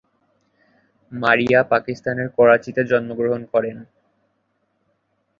মারিয়া পাকিস্তানের করাচিতে জন্মগ্রহণ করেন।